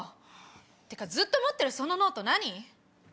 ってかずっと持ってるそのノート何？